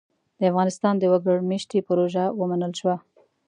د افغانستان د وګړ مېشتۍ پروژه ومنل شوه.